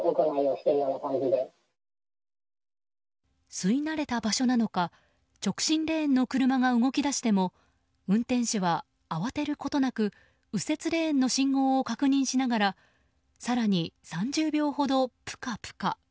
吸い慣れた場所なのか直進レーンの車が動き出しても運転手は慌てることなく右折レーンの信号を確認しながら更に３０秒ほどプカプカ。